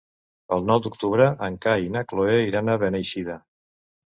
El nou d'octubre en Cai i na Cloè iran a Beneixida.